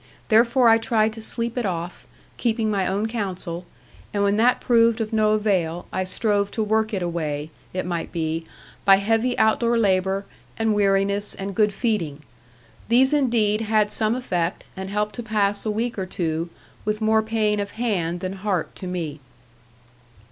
Therefore I tried to sleep it off, keeping my own counsel; and when that proved of no avail, I strove to work it away, it might be, by heavy outdoor labour, and weariness, and good feeding. These indeed had some effect, and helped to pass a week or two, with more pain of hand than heart to me.